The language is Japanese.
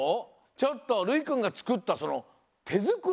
ちょっとるいくんがつくったそのてづくり？